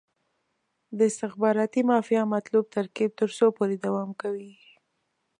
د استخباراتي مافیا مطلوب ترکیب تر څو پورې دوام کوي.